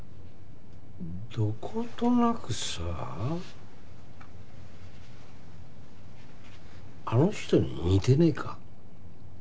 どことなくさあの人に似てねえか？